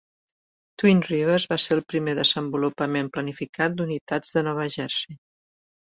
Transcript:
Twin Rivers va ser el primer desenvolupament planificat d'unitats de Nova Jersey.